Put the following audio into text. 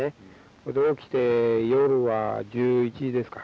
起きて夜は１１時ですか。